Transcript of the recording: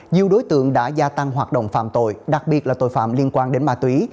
nhiều đối tượng đã gia tăng hoạt động phạm tội đặc biệt là tội phạm liên quan đến ma túy